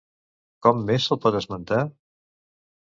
Com més se'l pot esmentar?